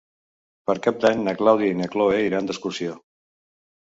Per Cap d'Any na Clàudia i na Cloè iran d'excursió.